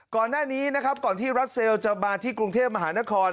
ก่อนหน้านี้นะครับก่อนที่รัสเซลจะมาที่กรุงเทพมหานคร